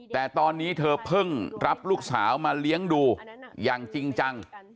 แต่ตอนนี้เธอเพิ่งรับลูกสาวมาเลี้ยงดูอย่างจริงจัง